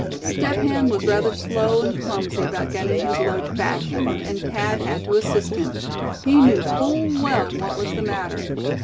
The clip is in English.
Step Hen was rather slow and clumsy about getting his load fastened, and Thad had to assist him. He knew full well what was the matter.